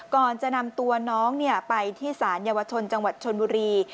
ก่อนจะนำตัวน้องไปที่สารเยาวชนจังหวัดชนบุรี